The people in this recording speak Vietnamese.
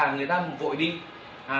có thể người ta tới trên đường này